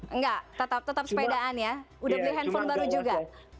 enggak tetap sepedaan ya udah beli handphone baru juga